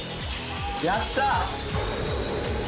やった！